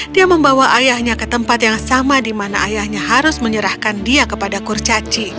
dia membawa ayahnya ke tempat yang sama di mana ayahnya harus menyerahkan dia kepada kurcaci